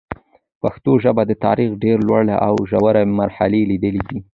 پښتو ژبه د تاریخ ډېري لوړي او ژوري مرحلې لیدلي دي.